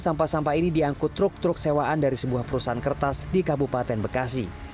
sampah sampah ini diangkut truk truk sewaan dari sebuah perusahaan kertas di kabupaten bekasi